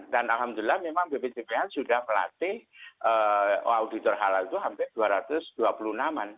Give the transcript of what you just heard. dan alhamdulillah memang bpcbh sudah melatih auditor halal itu hampir dua ratus dua puluh enam an